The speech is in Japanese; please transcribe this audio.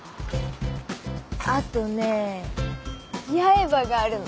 あとね八重歯があるの。